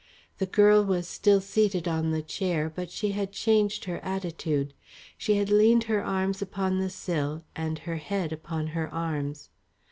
The girl was still seated on the chair, but she had changed her attitude. She had leaned her arms upon the sill and her head upon her arms.